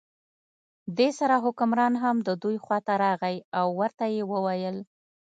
دې سره حکمران هم د دوی خواته راغی او ورته یې وویل.